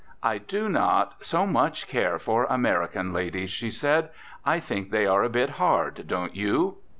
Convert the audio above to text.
"I do not so much care for American ladies," she said. "I think they are a bit hard, don't you?"